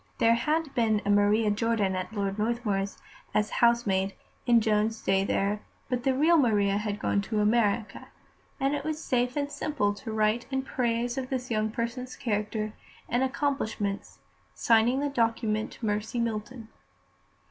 There had been a Maria Jordan at Lord Northmuir's, as housemaid, in Joan's day there, but the real Maria had gone to America, and it was safe and simple to write in praise of this young person's character and accomplishments, signing the document Mercy Milton.